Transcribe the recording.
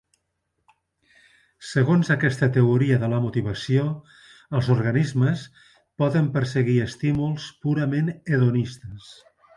Segons aquesta teoria de la motivació els organismes poden perseguir estímuls purament hedonistes.